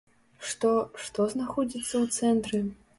Што, што знаходзіцца ў цэнтры?